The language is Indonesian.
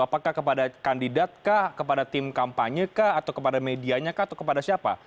apakah kepada kandidat kah kepada tim kampanye kah atau kepada medianya kah atau kepada siapa